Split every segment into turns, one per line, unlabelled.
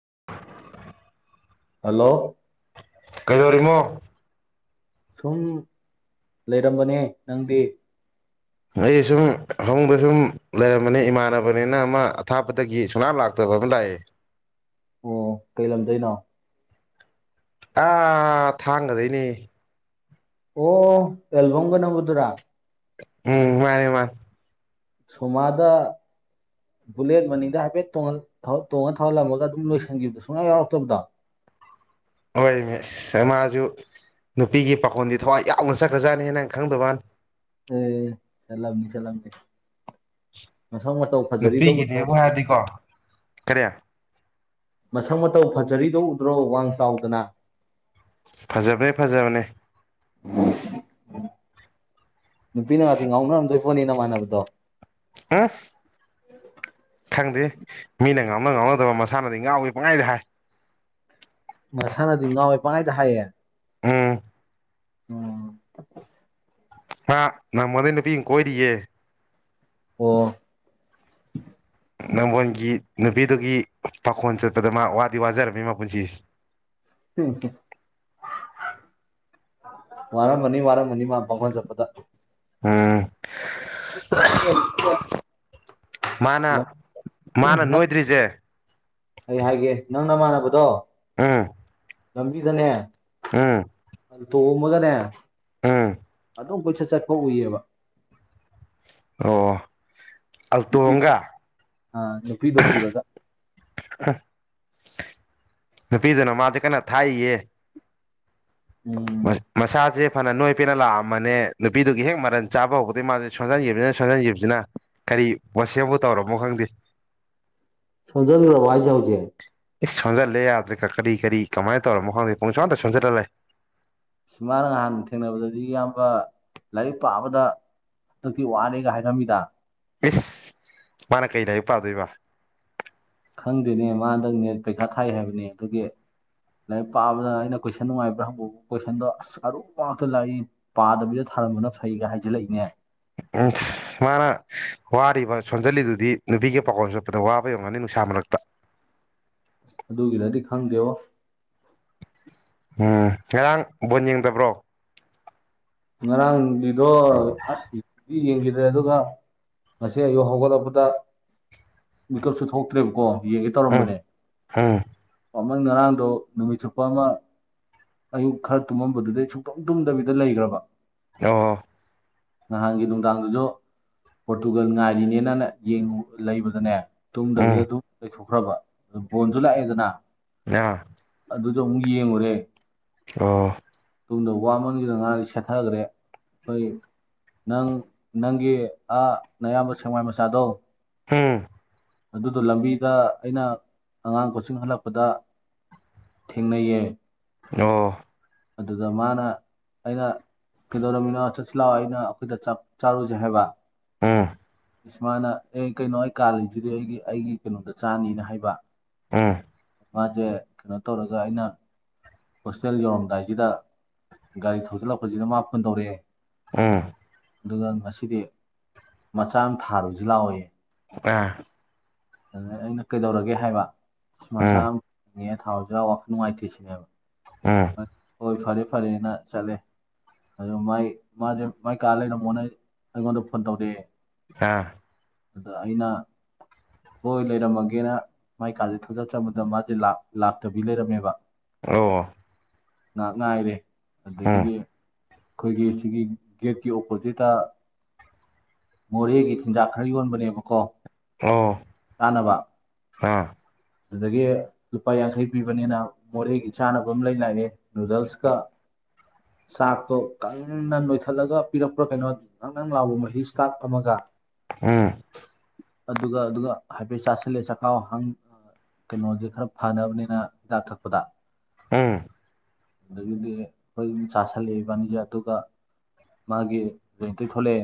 [unintelligible] [inaudible]
hello
ꯀꯩꯗꯧꯔꯤꯃꯣ
ꯁꯨꯝ ꯂꯩꯔꯝꯕꯅꯦ ꯅꯪꯗꯤ
ꯑꯩ ꯁꯨꯝ ꯍꯧꯣꯡꯗ ꯁꯨꯝ ꯂꯩꯔꯝꯕꯅꯤ ꯏꯃꯥꯟꯅꯕꯅꯤꯅ ꯑꯃ ꯑꯊꯥꯞꯄꯗꯒꯤ ꯁꯨꯅꯥꯞ ꯂꯥꯛꯇꯕ ꯝ ꯂꯩꯌꯦ [inaudible]
ꯑꯣ ꯀꯩ ꯂꯝꯗꯣꯏꯅꯣ
ꯑꯥ ꯊꯥꯡꯒꯗꯣꯏꯅꯦ
ꯑꯣ ꯑꯦꯜꯕꯝꯒ ꯅꯕꯁꯨ ꯔꯥ
ꯎꯝ ꯃꯥꯅꯦ ꯃꯥ
ꯁꯨꯃꯗ ꯕꯨꯂꯦꯠ ꯃꯅꯤꯡꯗ ꯍꯥꯏꯐꯦꯠ ꯇꯣꯡꯉ ꯊꯧꯍꯜꯂꯝꯃꯒ ꯑꯗꯨꯝ ꯂꯣꯏꯁꯤꯟꯈꯤꯕꯗꯣ ꯁꯨꯡꯌꯥ ꯌꯥꯎꯔꯛꯇꯕꯗꯣ
ꯑꯣꯏꯣꯏ ꯃꯤꯃꯁꯨ ꯅꯨꯄꯤꯒꯤ ꯄꯥꯈꯣꯟꯗꯤ ꯊꯋꯥꯏ ꯌꯥꯎꯅ ꯆꯠ꯭ꯔꯖꯥꯠꯅꯤ ꯍꯦ ꯅꯪ ꯈꯪꯗꯕ ꯃꯥꯅꯤ
ꯑꯦ ꯆꯂꯃꯤ ꯆꯂꯃꯦ ꯃꯁꯛ ꯃꯇꯧ ꯐꯖꯔꯤꯗꯧꯕꯗ꯭ꯔꯣ
ꯅꯨꯄꯤꯒꯤꯅꯦꯕꯨ ꯍꯥꯏꯔꯗꯤꯀꯣ ꯀꯔꯤ
ꯃꯁꯛ ꯃꯇꯧ ꯐꯖꯔꯤꯗꯧ ꯎꯗ꯭ꯔꯣ ꯋꯥꯡ ꯆꯥꯎꯗꯅ
ꯐꯖꯕꯅꯦ ꯐꯖꯕꯅꯦ
ꯍ [unintelligible] [inaudible] ꯅꯨꯄꯤꯅ ꯉꯥꯛꯇꯤ ꯉꯥꯎꯅꯔꯝꯖꯣꯏ ꯐꯣꯠꯅꯤ ꯅꯃꯥꯟꯅꯕꯗꯣ
ꯍꯥ
ꯎꯝ [unintelligible] [inaudible]
ꯈꯪꯗꯦ ꯃꯤꯅ ꯉꯥꯎꯅ ꯉꯥꯎꯅꯗꯕ ꯃꯁꯥꯅꯗꯤ ꯉꯥꯎꯏ ꯄꯪꯉꯥꯏꯗ ꯍꯥꯏ
ꯃꯁꯥꯅꯗꯤ ꯉꯥꯎꯋꯦ ꯄꯥꯡꯉꯥꯏꯗ ꯍꯥꯏꯌꯦ
ꯎꯝ
ꯎꯝ
ꯑ ꯅꯃꯗꯅ ꯄ ꯀꯣꯏꯔꯦ
ꯑꯣ
ꯅꯝꯕꯣꯣꯟꯒꯤ ꯅꯨꯄꯤꯗꯨꯒꯤ ꯄꯥꯈꯣꯟ ꯆꯠꯄꯗ ꯃꯥ ꯋꯥꯗꯤ ꯋꯥꯖꯔꯝꯃꯤ ꯃꯥ ꯄꯨꯟꯁꯤꯁꯦ [unintelligible]
ꯍꯝ ꯍ ꯋꯥꯔ ꯃꯅꯤ ꯃꯥꯔ ꯃꯅꯤ ꯃꯥꯄ ꯆꯄꯗ
ꯎꯝ
[unintelligible]
ꯃꯥꯅ ꯃꯥꯅ ꯅꯣꯏꯗ꯭ꯔꯤꯁꯦ
ꯑꯩ ꯍꯥꯏꯒꯦ ꯅꯪ ꯅꯃꯥꯟꯅꯕꯗꯣ
ꯑꯝ
ꯉꯕꯤꯗꯅꯦ
ꯑꯝ
ꯇꯣꯡꯃꯒꯅꯦ ꯑꯗꯨꯝ ꯀꯣꯏꯆꯠ ꯆꯠꯄ ꯎꯏꯌꯦꯕ
ꯑꯣ
ꯅꯨꯄꯤꯗꯣ
ꯑꯜꯇꯣꯡꯒ
ꯑ ꯅꯨꯄꯤꯗꯣ ꯄꯨꯔꯒ
ꯅꯨꯄꯤꯗꯅ ꯃꯥꯁꯦ ꯀꯅ ꯊꯥꯏꯌꯦ
ꯎꯝ
ꯃꯁ ꯃꯁꯥꯖꯦ ꯐꯅ ꯅꯣꯏ ꯄꯦꯅ ꯂꯥꯛꯑꯝꯕꯅꯦ ꯅꯨꯄꯤꯗꯨꯒꯤ ꯍꯦꯛ ꯃꯔꯟ ꯆꯥꯕ ꯍꯧꯕꯗꯒꯤ ꯃꯥꯁꯦ ꯁꯣꯟꯖꯟꯈꯤꯕꯁꯤꯅ ꯁꯣꯟꯖꯟꯈꯤꯕꯁꯤꯅ ꯀꯔꯤ ꯋꯥꯁꯦꯝꯕꯨ ꯇꯧꯔꯝꯃꯣ ꯈꯪꯗꯦ
ꯁꯖ꯭ꯔꯣ ꯋꯥꯏ ꯆꯪ
ꯏꯁ ꯁꯣꯟꯖꯜꯂꯦ ꯌꯥꯗ꯭ꯔꯦꯀꯥ ꯀꯔꯤ ꯀꯔꯤ ꯀꯃꯥꯏꯅ ꯇꯧꯔ ꯃꯈꯥꯡꯗ ꯄꯨꯡꯁ ꯑꯝꯇ ꯁꯣꯟꯖꯜꯍꯂꯦ
ꯁꯨꯃꯥꯏꯅ ꯅꯍꯥꯟ ꯊꯦꯡꯅꯕꯗꯗꯤ ꯑꯌꯥꯝꯕ ꯂꯥꯏꯔꯤꯛ ꯄꯥꯕꯗ ꯇ ꯊ ꯋꯥꯅꯦꯦꯒ ꯍꯥꯏ ꯀ ꯃꯤꯗꯥ
ꯏꯁꯁ ꯃꯥꯅ ꯀꯩ ꯂ ꯍꯥꯏꯕ ꯄꯥꯗꯣꯏꯕ
ꯈꯪꯗꯦꯅꯦ ꯃꯥ ꯍꯟꯗꯪ ꯅꯦꯠ ꯄꯩꯈꯥ ꯊꯥꯏ ꯍꯥꯏꯕꯅꯦ ꯑꯗꯨꯒꯤ ꯂꯥꯏꯔꯤꯛ ꯄꯥꯕꯗ ꯑꯩꯅ ꯀꯣꯏꯁꯟ ꯅꯨꯡꯉꯥꯏꯕ꯭ꯔꯥ ꯍꯪꯕ ꯀꯣꯏꯁꯟꯗꯣ ꯑꯁ ꯑꯔꯨ ꯄꯇ ꯂꯥꯏꯔꯤ ꯄꯥꯗꯕꯤꯗ ꯈꯔꯝꯕꯅ ꯐꯩꯒ ꯍꯥꯏꯖꯤꯜꯂꯛꯏꯅꯦ
ꯎꯝ ꯃꯥꯅ ꯋꯥꯔꯤꯕ ꯁꯣꯟꯖꯜꯂꯤꯗꯨꯗꯤ ꯅꯨꯄꯤꯒꯤ ꯄꯥꯎꯀꯣꯜ ꯆꯣꯠꯄꯗ ꯋꯥꯕ ꯌꯧꯒꯅꯤ ꯅꯨꯡꯁꯥ ꯑꯃꯂꯛꯇ
ꯑꯗꯨꯒꯤꯗꯗꯤ ꯈꯪꯗꯦꯕ
ꯎꯝ ꯉꯔꯥꯡ ꯕꯣꯟ ꯌꯦꯡꯗꯕ꯭ꯔꯣ
ꯉꯔꯥꯡ ꯂꯤꯗꯣ ꯌꯦꯡꯈꯤꯗ꯭ꯔꯦ ꯑꯗꯨꯒ ꯉꯁꯤ ꯑꯌꯨꯛ ꯍꯧꯒꯠꯂꯛꯄꯗ ꯃꯤꯀꯞꯁꯨ ꯊꯣꯛꯇ꯭ꯔꯦꯕꯀꯣ ꯌꯦꯡꯉꯦ
ꯎꯝ
ꯇꯧꯔꯝꯕꯅꯦ
ꯎꯝ
ꯃꯃꯪ ꯉꯔꯥꯡꯗꯣ ꯅꯨꯃꯤꯠ ꯆꯨꯞꯄ ꯑꯃ ꯑꯌꯨꯛ ꯈꯔ ꯇꯨꯝꯃꯝꯕꯗꯨꯗꯤꯩ ꯁꯨꯡꯛꯇꯣꯛ ꯇꯨꯝꯗꯕꯤꯗ ꯂꯩꯈ꯭ꯔꯕ
ꯑ
ꯅꯍꯥꯟꯒꯤ ꯅꯨꯡꯗꯥꯡꯗꯨꯁꯨ ꯄꯣꯔꯇꯨꯒꯜ ꯉꯥꯏꯔꯤꯅꯦꯅ ꯌꯦꯡꯨ ꯂꯩꯕꯗꯅꯦ
ꯎꯝ
ꯇꯨꯝꯗꯕꯤꯗ ꯑꯗꯨꯝ ꯀꯩꯊꯣꯛꯈ꯭ꯔꯕ ꯑꯗꯨ ꯕꯣꯟꯁꯨ ꯂꯥꯛꯑꯦꯗꯅ
ꯑ
ꯑꯗꯨꯗꯣ ꯑꯃꯨꯛ ꯌꯦꯡꯉꯨꯔꯦ
ꯑ
ꯇꯨꯡꯗ ꯋꯥꯃꯟꯈꯤꯅ ꯉꯥꯔꯤ ꯁꯦꯠꯊꯈ꯭ꯔꯦ ꯑꯩꯈꯣꯏ ꯅꯪ ꯅꯪꯒꯤ ꯑ ꯑꯌꯥꯝꯕ ꯁꯦꯡꯃꯥꯏ ꯃꯆꯥꯗꯣ
ꯍꯝ
ꯑꯗꯨꯗꯣ ꯂꯝꯕꯤꯗ ꯑꯩꯅ ꯑꯉꯥꯡ ꯀꯆꯤꯡ ꯍꯜꯂꯛꯄꯗ ꯊꯦꯡꯅꯩꯌꯦ
ꯑꯣ
ꯑꯗꯨꯒꯗ ꯃꯥꯅ ꯑꯩꯅ ꯀꯩꯗꯧꯔꯃꯤꯅꯣ ꯆꯠꯁꯤꯜꯂꯥꯛꯑꯣ ꯑꯩꯅ ꯑꯩꯈꯣꯏꯗ ꯆꯥꯔꯨꯁꯦ ꯍꯥꯏꯕ
ꯎꯥ
ꯏꯁꯃꯥꯅ ꯑꯦ ꯀꯩꯅꯣ ꯑꯩ ꯀꯥꯜꯂꯤꯁꯤꯗꯤ ꯑꯩꯒꯤ ꯑꯩꯒꯤ ꯀꯩꯅꯣꯗ ꯆꯥꯅꯤꯅ ꯍꯥꯏꯕ
ꯎꯝ
ꯃꯥꯁꯦ ꯀꯩꯅꯣ ꯇꯧꯔꯒ ꯑꯩꯅ ꯍꯣꯁꯇꯦꯜ ꯌꯧꯔꯝꯗꯥꯏꯁꯤꯗ ꯒꯥꯔꯤ ꯊꯧꯖꯤꯜꯂꯛꯄꯁꯤꯗ ꯃꯥ ꯐꯣꯟ ꯇꯧꯔꯛꯑꯦ
ꯑ
ꯑꯗꯨꯒ ꯉꯁꯤꯗꯤ ꯃꯆꯥꯡ ꯊꯥꯔꯨꯁꯤ ꯂꯥꯛꯏ
ꯑ
ꯑꯗꯨꯗ ꯑꯩꯅ ꯀꯩꯗꯧꯔꯒꯦ ꯍꯥꯏꯕ ꯁꯃꯥꯆꯥꯥ
ꯎꯝ
ꯑꯃ ꯊꯥꯎꯖ ꯋꯥꯈꯜ
ꯎꯝ
ꯅꯨꯡꯉꯥꯏꯇꯦꯁꯤꯅꯦꯕ ꯍꯣꯏ ꯐꯔꯦ ꯐꯔꯦꯅ ꯆꯠꯂꯦ ꯑ ꯃꯥꯏ ꯃꯥꯁꯦ ꯃꯥꯏ ꯀꯥ ꯂꯩꯔꯝꯃꯣꯅ ꯑꯩꯉꯣꯟꯗ ꯐꯣꯟ ꯇꯧꯔꯛꯑꯦ
ꯑꯥ
ꯑꯗ ꯑꯩꯅ ꯍꯣꯏ ꯂꯩꯔꯝꯃꯒꯦꯅ ꯃꯥꯏꯀꯥꯟꯥꯁꯦ ꯊꯖꯠ ꯆꯝꯕꯗ ꯃꯥꯁꯦ ꯂꯥꯛꯇꯕꯤ ꯂꯩꯔꯝꯃꯦꯕ
ꯑꯣ
ꯉꯥꯏꯍꯥꯛ ꯉꯥꯏꯔꯦ
ꯎꯝ
ꯑꯗꯒꯤꯗꯤ ꯑꯩꯈꯣꯏꯒꯤ ꯁꯤꯒꯤ ꯒꯦꯠꯀꯤ ꯑꯣꯄꯣꯖꯤꯠꯇ ꯃꯣꯔꯦꯒꯤ ꯆꯤꯟꯖꯥꯛ ꯈꯔ ꯌꯣꯟꯕꯅꯦꯕꯀꯣ ꯀꯥꯅꯕ
ꯍꯥꯥ
ꯑꯗꯨꯗꯒꯤ ꯂꯨꯄꯥ ꯌꯥꯡꯈꯩ ꯄꯤꯕꯅꯤꯅ ꯃꯣꯔꯦꯒꯤ ꯆꯥꯅꯕ ꯑꯃ ꯂꯩ ꯂꯥꯛꯑꯦ ꯅꯨꯗꯜꯁꯀ ꯆꯥꯛꯇꯣ ꯀꯪꯅꯪ ꯅꯣꯏꯊꯠꯂꯒ ꯄꯤꯔꯛꯄ꯭ꯔꯥ ꯀꯩꯅꯣ ꯅꯪ ꯅꯪ ꯂꯥꯛꯕ ꯃꯍꯤ ꯆꯥꯛ ꯑꯃꯒ
ꯑꯝ
ꯑꯗꯨꯒ ꯑꯗꯨꯒ ꯍꯥꯏꯐꯦꯠ ꯆꯥꯁꯤꯜꯂꯦ ꯆꯥꯛꯈꯥꯎ ꯀꯩꯅꯣꯁ ꯈꯔ ꯐꯅꯕꯅꯤꯅ ꯍꯤꯗꯥꯛ ꯊꯛꯄꯗ
ꯎꯝ
ꯑꯗꯒꯤꯗꯤ ꯑꯩꯈꯣꯏꯒꯤ ꯆꯥꯁꯂꯛꯏꯕꯅꯤꯁꯦ ꯑꯗꯨꯒ ꯃꯥꯒꯤ ꯂꯩꯇ ꯊꯣꯛꯂꯦ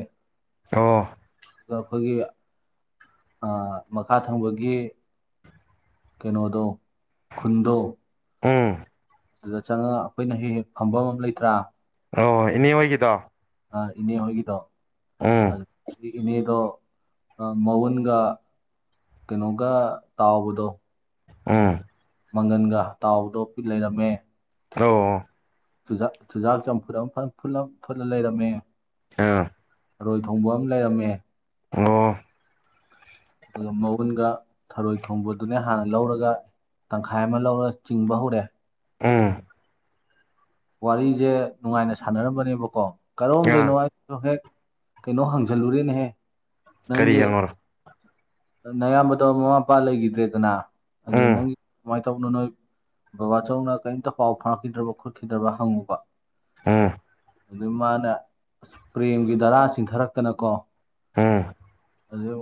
ꯑꯣ
ꯑꯗꯨꯒ ꯑꯩꯈꯣꯏꯒꯤ ꯃꯈꯥ ꯊꯪꯕꯒꯤ ꯀꯩꯅꯣꯗꯣ ꯈꯨꯟꯗꯣ
ꯎꯝ
ꯑꯗꯨꯗ ꯆꯪꯉꯒ ꯑꯩꯈꯣꯏꯅ ꯍꯦꯛ ꯍ ꯐꯝꯐꯝ ꯑꯃ ꯂꯩꯇ꯭ꯔꯥ
ꯑꯣꯣꯏ ꯏꯅꯦ ꯍꯣꯏꯒꯤꯗꯣ
ꯑ ꯏꯅꯦ ꯍꯣꯏꯒꯗꯥꯎ
ꯑꯝ
ꯏꯅꯦꯗꯣ ꯃꯎꯟꯒ ꯀꯩꯅꯣꯒ ꯇꯥꯎꯥꯎꯕꯗꯣ
ꯑꯥ
ꯃꯪꯒꯟꯒ ꯇꯥꯎꯗꯣ ꯂꯩꯔꯝꯃꯦ
ꯑ
ꯨ ꯆꯨꯖꯥꯛ ꯆꯝꯐꯨꯠ ꯑꯃ ꯐꯨꯠꯂ ꯂꯩꯔꯝꯃꯦ
ꯑ
ꯈꯔꯣꯏ ꯊꯣꯡꯕ ꯑꯃ ꯂꯩꯔꯝꯃꯦ
ꯑꯣ
ꯑꯗꯨꯒ ꯃꯎꯨꯟꯒ ꯊꯔꯣꯏ ꯊꯣꯡꯕꯗꯨꯅ ꯍꯥꯟꯅ ꯂꯧꯔꯒ ꯇꯪꯈꯥꯏ ꯑꯃ ꯂꯧꯔꯒ ꯆꯤꯡꯕ ꯍꯧꯔꯦ
ꯎꯝ
ꯋꯥꯔꯤꯁꯦ ꯅꯨꯡꯉꯥꯏꯅ ꯁꯥꯟꯅꯔꯝꯕꯅꯦꯕꯀꯣ ꯀꯔꯣꯝꯗꯩꯅꯣ
ꯑ
ꯍꯦꯛ ꯀꯩꯅꯣ ꯍꯪꯖꯜꯂꯨꯔꯦꯅꯦꯍꯦ
ꯀꯔꯤ
ꯅꯪꯒꯤ
ꯌꯦꯔꯣ
ꯅꯌꯥꯝꯕꯗꯣ ꯃꯃꯥ ꯃꯄꯥ ꯂꯩꯈꯤꯗ꯭ꯔꯦꯗꯅ ꯑꯗꯨ
ꯎꯝ
ꯅꯪꯒꯤ ꯃꯥꯒꯤ ꯇꯧꯅ ꯅꯣꯏ ꯕꯕꯥ ꯆꯧꯅ ꯀꯔꯤꯝꯇ ꯄꯥꯎ ꯐꯥꯎꯔꯛꯈꯤꯗ꯭ꯔꯕ ꯈꯣꯠꯈꯤꯗ꯭ꯔꯕ ꯍꯪꯉꯨꯕ
ꯑꯥ
ꯑꯗꯨ ꯃꯥꯅ ꯑꯁ ꯄ꯭ꯔꯦꯝꯒꯤ ꯙꯔꯥ ꯆꯤꯟꯊꯔꯛꯇꯅꯀꯣ
ꯎꯝ
ꯑꯗꯨ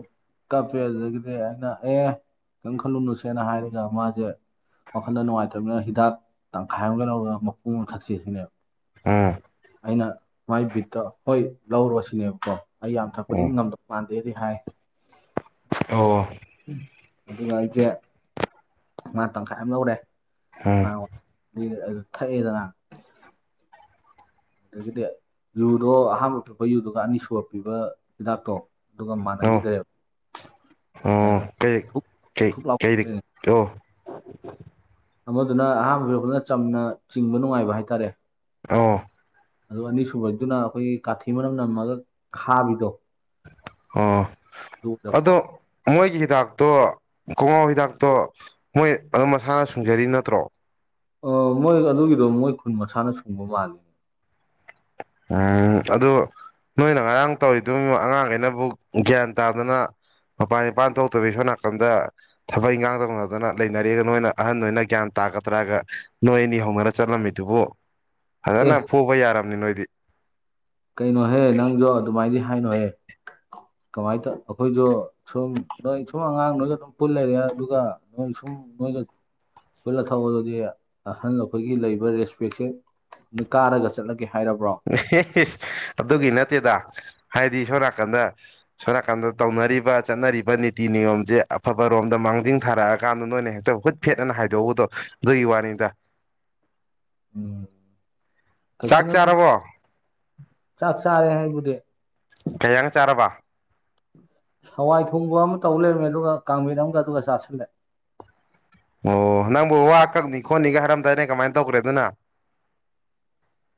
ꯀꯞꯄꯦ ꯑꯗꯨꯗꯒꯤꯗꯤ ꯑꯩꯅ ꯑꯦ ꯀꯩꯝ ꯈꯜꯂꯨꯅꯨꯁꯦꯅ ꯍꯥꯏꯔꯒ ꯃꯥꯁꯦ ꯋꯥꯈꯜꯟꯗ ꯅꯨꯡꯉꯥꯏꯇ꯭ꯔꯕꯅꯤꯅ ꯍꯤꯗꯥꯛ ꯇꯪꯈꯥꯏ ꯑꯃꯒ ꯂꯧꯔꯒ ꯃꯄꯨꯝ ꯑꯃ ꯊꯛꯁꯦ ꯁꯤꯅꯦꯕ
ꯎꯝ
ꯑꯩꯅ ꯃꯥꯏ ꯕꯤꯠꯇ ꯍꯣꯏ ꯂꯧꯔꯨꯔꯁꯤꯅꯦꯕꯀꯣ ꯑꯩ ꯌꯥꯝ ꯊꯛꯄꯗꯤ
ꯎꯝ
ꯉꯝꯗꯧꯕ ꯃꯥꯟꯗꯦꯗꯤ ꯍꯥꯏ
ꯑꯣ
ꯑꯗꯨꯒ ꯑꯩꯁꯦ ꯃꯥ ꯇꯪꯈꯥꯏ ꯑꯃ ꯂꯧꯔꯛꯑꯦ
ꯑꯥ
ꯑꯗꯨ ꯊꯛꯑꯦꯗꯅ ꯑꯗꯒꯤꯗꯤ ꯌꯨꯗꯣ ꯑꯍꯥꯟꯕ ꯄꯤꯔꯛꯄ ꯌꯨꯗꯨꯒ ꯑꯅꯤ ꯁꯨꯕꯄꯤꯕ ꯍꯤꯗꯥꯛꯇꯣ ꯑꯗꯨꯒ
ꯑꯣ
ꯃꯥꯟꯅꯈꯤꯗ꯭ꯔꯦꯕ
ꯑꯣ
ꯑꯗꯨꯗ
ꯀꯩ
ꯊꯨꯛ
ꯀꯩ
ꯊꯨꯛ ꯂꯥꯎ
ꯀꯩ ꯑꯣ
ꯑꯃꯗꯨꯅ ꯑꯍꯥꯟꯕ ꯂꯧꯕꯗꯨꯅ ꯆꯝꯅ ꯆꯤꯡꯕ ꯅꯨꯡꯉꯥꯏꯕ ꯍꯥꯏꯇꯥꯔꯦ
ꯑꯣ
ꯑꯗꯨ ꯑꯅꯤꯁꯨꯕꯗꯨꯅ ꯑꯩꯈꯣꯏꯒꯤ ꯀꯥꯊꯤ ꯃꯅꯝ ꯅꯝꯃꯒ ꯈꯥꯕꯤꯗꯣ
ꯑꯣ
ꯑꯗꯨ ꯑꯣꯏꯔꯛꯄ
ꯑꯗꯣ ꯃꯣꯏꯒꯤ ꯍꯤꯗꯥꯛꯇꯣ ꯈꯨꯉꯥꯎ ꯍꯤꯗꯥꯛꯇꯣ ꯃꯣꯏ ꯑꯗꯨꯝ ꯃꯁꯥꯅ ꯁꯨꯡꯖꯔꯤ ꯅꯠꯇ꯭ꯔꯣ
ꯑ ꯃꯣꯏ ꯑꯗꯨꯒꯤꯗꯣ ꯃꯣꯏ ꯈꯨꯟ ꯃꯁꯥꯅ ꯁꯨꯡꯕ ꯃꯥꯜꯂꯤ
ꯎꯝ ꯑꯗꯨ ꯅꯣꯏꯅ ꯉꯔꯥꯡ ꯇꯧꯔꯤꯗꯨ ꯑꯉꯥꯡꯈꯩꯅꯕꯨ ꯒ꯭ꯌꯥꯟ ꯇꯥꯗꯅ ꯃꯄꯥꯜ ꯏꯄꯥꯜ ꯊꯣꯛꯇꯕꯤ ꯁꯣꯝ ꯅꯥꯀꯟꯗ ꯊꯕꯛ ꯏꯪꯈꯥꯡ ꯇꯧꯅꯗꯅ ꯂꯩꯅꯔꯦ ꯅꯣꯏꯅ ꯑꯍꯟ ꯑꯣꯏꯅ ꯒ꯭ꯌꯥꯟ ꯇ ꯇꯥꯒꯗ꯭ꯔꯒ ꯅꯣꯏ ꯑꯅꯤ ꯍꯧꯅꯔ ꯆꯠꯂꯝꯃꯤꯗꯨꯕꯨ
ꯑꯦ
ꯐꯖꯅ ꯐꯨꯕ ꯌꯥꯔꯝꯅꯤ ꯅꯣꯏ
ꯀꯩꯅꯣꯍꯦ ꯅꯪꯁꯨ ꯑꯗꯨꯃꯥꯏꯗꯤ ꯍꯥꯏꯅꯣꯍꯦ ꯀꯃꯥꯏꯅ ꯇꯧ ꯑꯩꯈꯣꯏꯁꯨ ꯁꯨꯝ ꯅꯣꯏ ꯁꯨꯝ ꯑꯉꯥꯡ ꯅꯣꯏꯒ ꯑꯗꯨꯝ ꯄꯨꯜ ꯂꯩꯔꯦ ꯑꯗꯨꯒ ꯅꯣꯏ ꯁꯨꯝ ꯎꯝ ꯅꯣꯏꯒ ꯄꯨꯜꯂꯒ ꯊꯛꯑꯣ ꯑꯗꯨꯗꯤ ꯑꯍꯜ ꯑꯩꯈꯣꯏꯒꯤ ꯂꯩꯕ ꯔꯦꯁꯄꯦꯛꯁꯦ ꯅꯣꯏ ꯀꯥꯔꯒ ꯆꯠꯂꯒꯦ ꯍꯥꯏꯔꯕ꯭ꯔꯣ
ꯎ [unintelligible] ꯑꯗꯨꯒꯤ ꯅꯠꯇꯦꯗ ꯍꯥꯏꯗꯤ ꯁꯣꯝ ꯅꯥꯀꯟꯗ ꯁꯣꯝ ꯅꯥꯀꯟꯗ ꯇꯧꯅꯔꯤꯕ ꯆꯠꯅꯔꯤꯕ ꯅꯤꯇꯤ ꯅꯤꯌꯣꯝꯁꯦ ꯑꯐꯕꯔꯣꯝꯗ ꯃꯥꯡꯖꯤꯟ ꯊꯥꯔꯛꯑꯀꯥꯟꯗ ꯅꯣꯏꯅ ꯍꯦꯛꯇ ꯍꯨꯠ ꯐꯦꯠꯅ ꯍꯥꯏꯗꯣꯛꯎꯕꯗꯣ ꯑꯗꯨꯒꯤ ꯋꯥꯅꯤ ꯗ
ꯎꯝ ꯀꯩꯁꯨ ꯅꯠꯇꯦꯗ ꯆꯥꯛ ꯆꯥꯔꯦ ꯑꯩꯕꯨꯗꯤ
ꯀꯩ ꯏꯟꯁꯥꯡ ꯆꯥꯔꯕ
ꯍꯋꯥꯏ ꯊꯣꯡꯕ ꯑꯃ ꯇꯧ ꯂꯩꯔꯝꯃꯦ ꯑꯗꯨꯒ ꯀꯥꯡꯃꯦꯠ ꯑꯃꯒ ꯑꯗꯨꯒ ꯆꯥꯁꯤꯜꯂꯦ
ꯑꯣ ꯅꯪꯕꯨ ꯋꯥ ꯀꯛꯅꯤ ꯈꯣꯠꯅꯤꯒ ꯍꯥꯏꯔꯝꯗꯥꯏꯅꯦ ꯀꯃꯥꯏꯅ ꯇꯧꯈ꯭ꯔꯦ ꯑꯗꯨꯅ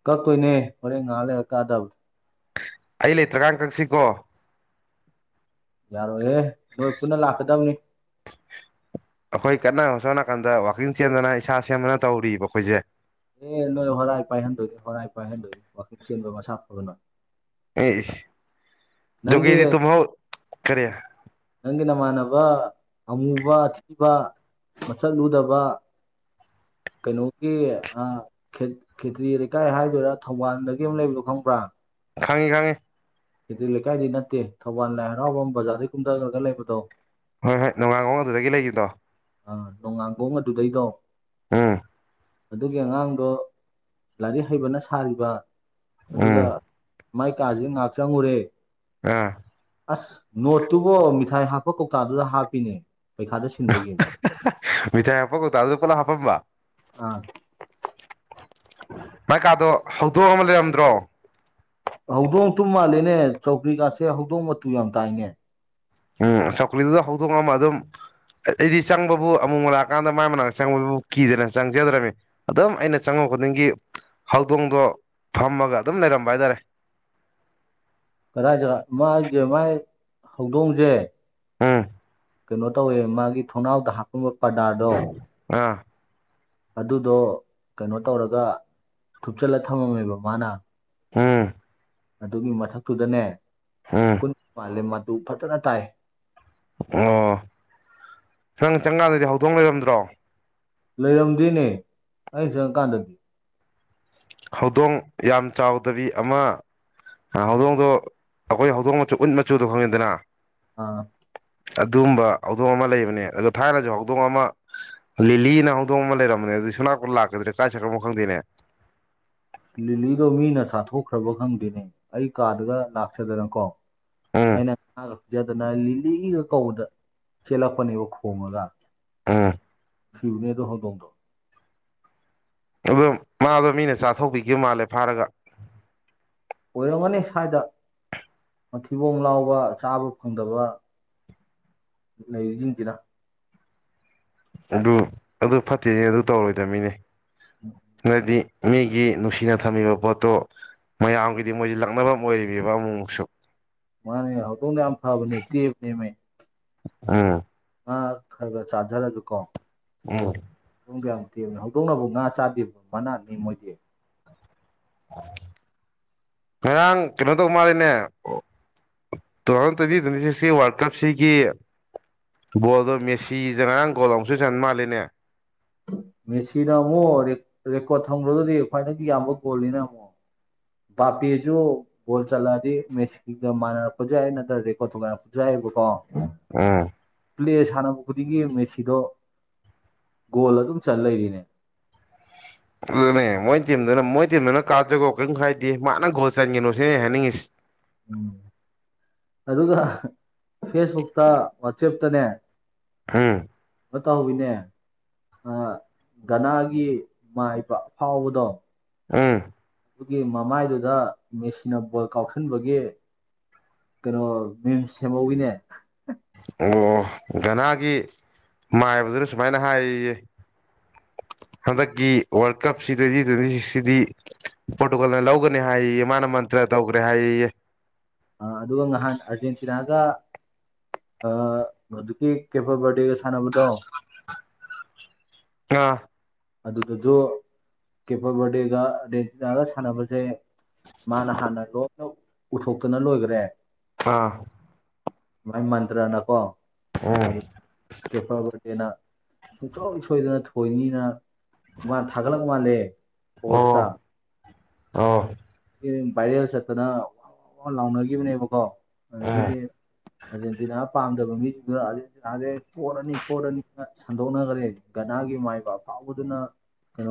ꯀꯛꯇꯣꯏꯅꯦ ꯍꯣꯔꯦꯟ ꯉꯥꯏꯍꯥꯛ ꯂꯩꯔꯒ ꯀꯛꯑꯗꯕꯅꯦ
ꯑꯩ ꯂꯩꯇ꯭ꯔ ꯀꯥꯟ ꯀꯛꯁꯤꯀꯣ
ꯌꯥꯔꯣꯏꯍꯦ ꯅꯣꯏ ꯄꯨꯟꯅ ꯂꯥꯛꯀꯗꯕꯅꯤ
ꯑꯩꯈꯣꯏ ꯀꯟꯅ ꯁꯣꯝ ꯅꯥꯀꯥꯟꯗ ꯋꯥꯛꯀꯤꯡ ꯆꯦꯟꯗꯅ ꯏꯁꯥ ꯁꯦꯝꯗꯅ ꯇꯧꯔꯤꯕ ꯑꯩꯈꯣꯏꯁꯦ
ꯑꯦ ꯅꯣꯏ ꯍꯣꯔꯥꯏ ꯄꯥꯏ ꯍꯟꯗꯣꯏ ꯍꯣꯔꯥꯏ ꯄꯥꯏ ꯍꯟꯗꯣꯏꯅꯤ ꯋꯥꯔꯛꯀꯤꯡ ꯆꯦꯟꯕ ꯃꯁꯥ ꯐꯕꯅ
ꯑꯦ ꯏꯁ
ꯅꯪꯒꯤ
ꯖꯨꯒꯦꯗꯤ ꯇꯨꯝꯍꯧ ꯀꯔꯤ
ꯅꯪꯒꯤ ꯅꯃꯥꯟꯅꯕ ꯑꯃꯨꯕ ꯑꯊꯤꯕ ꯃꯆꯠ ꯂꯨꯗꯕ
[unintelligible]
ꯀꯩꯅꯣꯒꯤ ꯈꯦꯇ꯭ꯔꯤ ꯂꯩꯀꯥꯏ ꯍꯥꯏꯗꯣꯏꯔ ꯊꯧꯕꯥꯜꯗꯒꯤ ꯑꯃ ꯂꯩꯕꯗꯣ ꯈꯪꯕ꯭ꯔ
ꯈꯪꯉꯤ ꯈꯪꯉꯤ
ꯈꯦꯇ꯭ꯔꯤ ꯂꯩꯀꯥꯏꯗꯤ ꯅꯠꯇꯦ ꯊꯧꯕꯥꯜ ꯂꯥꯏ ꯍꯔꯥꯎꯕꯝ ꯕꯖꯥꯔꯗꯒꯤ ꯀꯨꯝꯊꯈ꯭ꯔꯒ ꯂꯩꯕꯗꯣ
ꯍꯣꯏ ꯍꯣꯏ ꯅꯣꯡꯉꯡꯂ ꯑꯗꯨꯗꯒꯤ ꯂꯩꯈꯤꯗꯣ
ꯑꯥ ꯅꯣꯡ ꯉꯥꯡꯈꯣꯡ ꯑꯗꯨꯗꯩꯗꯣ
ꯑꯥ
ꯑꯗꯨꯒꯤ ꯑꯉꯥꯡꯗꯣ ꯂꯥꯏꯔꯤꯛ ꯍꯩꯕꯅ ꯁꯥꯔꯤꯕ ꯑꯗꯨꯒ
ꯎꯝ
ꯃꯥꯏ ꯀꯥꯥꯁꯦ ꯉꯥꯏꯍꯥꯛ ꯆꯪꯉꯨꯔꯦ
ꯑꯥ
ꯑꯁ ꯅꯣꯠꯇꯨꯕꯣ ꯃꯤꯊꯥꯏ ꯍꯥꯞꯄ ꯀꯧꯇꯥꯗꯨꯗ ꯍꯥꯞꯄꯤꯅꯦ ꯄꯩꯈꯥꯗ ꯁꯤꯟꯕꯒꯤ
ꯃꯤꯊꯥꯏ ꯍꯥꯞꯄꯒ ꯑꯗꯨ ꯄꯨꯂꯞ ꯍꯥꯞꯄꯝꯕ
ꯑꯥ
ꯃꯀꯥꯗꯣ ꯍꯧꯗꯣꯛ ꯑꯃ ꯂꯩꯔꯝꯗ꯭ꯔꯣ
ꯍꯧꯗꯣꯡ ꯇꯨ ꯃꯥꯜꯂꯦꯅꯦ ꯆꯧꯀ꯭ꯔꯤꯀꯥꯁꯦ ꯍꯧꯗꯣꯡ ꯃꯇꯨ ꯌꯥꯝ ꯇꯥꯏꯅꯦ
ꯎꯝ ꯆꯧꯀ꯭ꯂꯤꯗꯨꯗ ꯍꯧꯗꯣꯛꯑ ꯑꯃ ꯑꯗꯨꯝ ꯑꯩꯗꯤ ꯆꯪꯕꯕꯨ ꯑꯃꯨꯛ ꯂꯥꯛꯑꯀꯥꯟꯗ ꯃꯥꯏ ꯃꯅꯥꯛꯛꯇ ꯆꯪꯕꯕꯨ ꯀꯤꯗꯅ ꯆꯪꯖꯗ꯭ꯔꯝꯃꯤ ꯑꯗꯨꯝ ꯑꯩꯅ ꯆꯪꯉ ꯗꯤꯡꯒꯤ ꯍꯧꯗꯣꯡꯗꯣ ꯐꯝꯃꯒ ꯑꯗꯨꯝ ꯂꯩꯔꯝꯕ ꯍꯥꯏꯇꯥꯔꯦ
ꯀꯗꯥꯏꯁ ꯃꯥꯒꯤ ꯃꯥꯏ ꯍꯧꯗꯣꯡꯁꯦ
ꯎꯝ
ꯀꯩꯅꯣ ꯇꯧꯋꯦ ꯃꯥꯒꯤ ꯊꯣꯡꯅꯥꯎꯗ ꯍꯥꯞꯀꯕ ꯄ꯭ꯔꯗꯥꯔꯗꯣ
ꯑꯥ
ꯑꯗꯨꯗꯣ ꯀꯩꯅꯣ ꯇꯧꯔꯒ ꯊꯨꯞꯆꯜꯂ ꯊꯝꯃꯝꯃꯦꯕ ꯃꯥꯅ
ꯎꯝ
ꯑꯗꯨꯒꯤ ꯃꯊꯛꯇꯨꯗꯅꯦ
ꯎꯝ
ꯀꯨꯟ ꯃꯥꯂꯦꯝ ꯑꯗꯨ ꯐꯖꯅ ꯇꯥꯏ
ꯑꯣ ꯅꯪ ꯆꯪꯀꯥꯟꯗꯗꯤ ꯍꯧꯗꯣꯡ ꯂꯩꯔꯝꯗ꯭ꯔꯣ
ꯂꯩꯔꯝꯗꯣꯏꯅꯦ ꯑꯩ ꯆꯪꯀꯥꯟꯗꯗꯤ
ꯍꯧꯗꯣꯡ ꯌꯥꯝ ꯆꯥꯎꯗꯕꯤ ꯑꯃ ꯍꯧꯗꯣꯡꯗꯣ ꯑꯩꯈꯣꯏ ꯍꯧꯗꯣꯡ ꯃꯆꯨ ꯎꯠ ꯃꯆꯨꯗꯣ ꯈꯪꯉꯤꯗꯅ
ꯑꯥ
ꯑꯗꯨꯒꯝꯕ ꯍꯧꯗꯣꯡ ꯑꯃ ꯂꯩꯕꯅꯦ ꯑ ꯊꯥꯏꯅꯁꯨ ꯍꯧꯗꯣꯡ ꯑꯃ ꯂꯤꯂꯤꯅ ꯍꯧꯗꯣꯡ ꯑꯃ ꯂꯩꯔꯝꯕꯅꯦ ꯁꯨꯅꯥ ꯀꯟ ꯂꯥꯛꯀꯗ꯭ꯔꯦ ꯀꯥꯏ ꯁ꯭ꯔꯨꯣ ꯈꯪꯗꯦꯅꯦ
ꯂꯤꯂꯤꯗꯣ ꯃꯤꯅ ꯆꯥꯊꯣꯛꯈ꯭ꯔꯕ ꯈꯪꯗ꯭ꯅꯦ ꯑꯩ ꯀꯥꯗꯒ ꯂꯥꯛꯆꯗꯅ ꯀꯣ
ꯎꯝ
ꯑꯩꯅ ꯉꯥꯒ ꯄꯤꯖꯗꯅ ꯂꯤꯂꯤꯒꯤꯒ ꯀꯧꯕꯗ ꯆꯦꯜꯂꯛꯄꯅꯦꯕ ꯈꯣꯡꯉꯒ
ꯎꯝ
ꯁꯤꯔꯅꯦꯗ ꯍꯗꯣꯗ
ꯑꯝ ꯃꯥꯗꯣ ꯃꯤꯅ ꯆꯥꯊꯣꯛꯄꯤꯈꯤꯕ ꯃꯥꯜꯂꯦ ꯐꯥꯔꯒ
ꯑꯣꯏꯔꯝꯒꯅꯤ ꯁꯥꯏꯗ ꯃꯊꯤꯕꯣꯝ ꯂꯥꯎꯕ ꯆꯥꯕ ꯐꯪꯗꯕ ꯂꯩꯔꯤꯖꯤꯡꯖꯤꯗ
ꯑꯗꯨ ꯑꯗꯨ ꯐꯠꯇꯦꯍꯦ ꯑꯗꯨ ꯇꯧꯔꯣꯏꯗꯃꯤꯅꯦ ꯅꫭꯏꯗꯤ ꯃꯤꯒꯤ ꯅꯨꯡꯁꯤꯅ ꯊꯝꯃꯤꯕ ꯄꯣꯠꯇꯣ ꯃꯌꯥꯝꯒꯤꯗꯤ ꯃꯣꯏꯁꯤ ꯂꯛꯅꯕꯝ ꯑꯣꯏꯔꯤꯅꯦꯕ ꯑꯃꯨꯛꯃꯨꯛꯁꯨ
ꯃꯥꯅꯦ ꯍꯧꯗꯣꯡꯗꫭ ꯌꯥꯝ ꯐꯕꯅꯦ ꯇꯦꯕꯅꯦꯃꯦ
ꯎꯝ
ꯉꯥ ꯈꯔ ꯈꯔ ꯆꯥꯖꯔꯖꯨꯀꯣ
ꯎꯝ
ꯍꯧꯗꫭꯡꯗꫭ ꯌꯥꯝ ꯇꯦꯕꯅꯤ ꯍꯧꯗꯣꯛꯅꯕꯨ ꯉꯥ ꯆꯥꯗꯦꯕ ꯃꯅꯥꯠꯅꯤ ꯃꯣꯏꯗꯤ
ꯉꯔꯥꯡ ꯀꯩꯅꯣ ꯇꯧ ꯃꯥꯜꯂꯤꯅꯦ ꯇꯨꯊꯥꯎꯖꯟ ꯇ꯭ꯋꯦꯟꯇꯤ ꯇ꯭ꯋꯦꯟꯇꯤꯁꯤꯛꯁ ꯀꯤ ꯋꯥꯔꯜ ꯀꯞꯁꯤꯒꯤ ꯕꫭꯜꯗꯣ ꯃꯦꯁꯤꯖꯦ ꯉꯔꯥꯡ ꯒꯣꯜ ꯑꯃꯨꯎꯁꯨ ꯃꯥꯜꯂꯤꯅꯦ
ꯃꯦꯁꯤꯅ ꯑꯃꯨꯛ ꯔꯦꯀꯣꯔꯠ ꯊꯝꯗ꯭ꯔꯒꯗꯨꯗꯤ ꯈ꯭ꯋꯥꯏꯗꯒꯤ ꯌꯥꯝꯕ ꯒꯣꯜꯅꯤꯅ ꯑꯃꯨꯛ ꯄꯥꯄꯦꯁꯨ ꯒꯣꯜ ꯆꯠꯂꯛꯑꯗꯤ ꯃꯦꯁꯤꯒ ꯃꯥꯟꯅꯔꯛꯄꯁꯨ ꯌꯥꯏ ꯅꯠꯇ꯭ꯔꯒ ꯔꯦꯀꯣꫪꯠ ꯊꯣꯒꯥꯏꯔꯛꯄꯁꯨꯌꯥꯏ [unintelligible]
ꯎꯝ
ꯄ꯭ꯂꯦ ꯁꯥꯟꯅꯕ ꯈꯨꯗꯤꯡꯒꯤ ꯃꯦꯁꯤꯗꫭ ꯒꫭꯜ ꯑꯗꯨꯝ ꯆꯜ ꯂꯩꯔꯦꯅꯦ
ꯑꯗꯨꯅꯦ ꯃꯣꯏ ꯇꯤꯝꯗꯨꯅ ꯃꯣꯏ ꯇꯤꯝꯗꯨꯅ ꯀꯥꯖꯒꫭ ꯀꯔꯤꯝ ꯀꯥꯏꯗꯦ ꯃꯥꯅ ꯒꯣꯜ ꯆꯟꯒꯤꯅꯨ ꯁꯤꯅꯤ ꯑꯩ ꯍꯥꯏꯅꯤꯡꯉꯁꯤ
ꯎꯝ ꯑꯗꯨꯒ ꯐꯦꯁꯕꯨꯛꯇ ꯋꯥꯆꯦꯞꯇꯅꯦ
ꯍꯝ
ꯇꯧꯋꯅꯦ ꯒꯅꯥꯒꯤ ꯃꯥꯏꯕ ꯑꯐꯥꯎꯕꯗꯣ
ꯑꯥ
ꯑꯗꯨꯒꯤ ꯃꯃꯥꯏꯗꯨꯗ ꯃꯦꯁꯤꯅ ꯕꯣꯜ ꯀꯥꯎꯁꯤꯟꯕꯒꯤ ꯀꯩꯅꯣ ꯃꯤꯝꯁ ꯁꯦꯝꯍꯧꯒꯤꯅꯦ
ꯑꯣ ꯒꯥꯅꯥꯒꯤ ꯃꯥꯏꯕꯗꯨꯅ ꯁꯨꯃꯥꯏꯅ ꯍꯥꯏꯌꯦ ꯍꯟꯗꯛꯀꯤ ꯋꯥꯔꯜ ꯀꯞꯁꯤ ꯇ꯭ꯋꯦꯟꯇꯤ ꯇ꯭ꯋꯦꯟꯇꯤ ꯁꯤꯛꯁꯁꯤꯗꯤ ꯄꯣꫪꯇꯨꯒꯜꯅ ꯂꯧꯒꯅꯤ ꯍꯥꯏꯌꯦ ꯃꯥꯅ ꯃꯟꯇ꯭ꯔ ꯇꯧꯈ꯭ꯔꯦ ꯍꯥꯏꯌꯦꯌꯦ
ꯑ ꯑꯗꯨꯒ ꯅꯍꯥꯟ ꯑꯥꫪꯖꯦꯟꯇꯤꯅꯥꯒ ꯑ ꯍꯧꯖꯤꯛꯀꯤ ꯀꯦꯐꯕꯥꫪꯗꯦꯖ
ꯑꯥ
ꯑꯗꯨꯗꯁꯨ ꯀꯦꯄꫪ ꯕꯥꫪꯗꯦꯒ ꯑꯥꫪꯖꯦꯟꯇꯤꯅꯥꯒ ꯁꯥꯟꯅꯕꯁꯦ ꯃꯥꯅ ꯍꯥꯟꯅ ꯂꯣꯏꯅ ꯎꯊꯣꯛꯇꯅ ꯂꯣꯏꯈ꯭ꯔꯦ
ꯑꯥ
ꯃꯥꯏ ꯃꯟꯇ꯭ꯔꯅꯀꯣ
ꯎꯝ
ꯑꯗꯨ ꯀꯦꯄ ꯗꯦꯅ ꯁꯨꯡꯁꯣꯏ ꯁꯣꯏꯗꯅ ꯊꯣꯏꯅꯤꯅ ꯃꯥ ꯊꯒꯠꯂꯛ ꯃꯥꯂꯦ ꯄꯣꯁꯇ
ꯑꯣ ꯑꯣ
ꯚꯥꯏꯔꯦꯜ ꯆꯠꯇꯅ ꯋꯥꯋꯥꯋꯥ ꯂꯥꯎꯅꯈꯤꯕꯅꯦꯕꯀꯣ
ꯎꯝ
ꯑꯗꯒꯤꯗꯤ ꯑꯥꯖꯦꯟꯗꯤꯅ ꯄꯥꯝ ꯗꯕ ꯃꯤꯁꯤꯡꯗꯨꯅ ꯑꯥꯖꯦꯟꯇꯤꯅꯥꯖꯦ ꯄꫭꯔꯅꯤ ꯄꫭꯔꯅꯤꯅ ꯁꯟꯗꯣꯛꯅꯈ꯭ꯔꯦ ꯒꯅꯥꯒꯤ ꯃꯥꯏꯕ ꯑꯐꯥꯎꯕꯗꯨꯅ [inaudible]